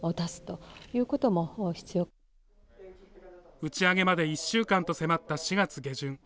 打ち上げまで１週間と迫った４月下旬。